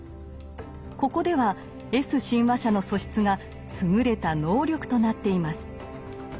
ここではＳ親和者の素質が優れた能力となっています。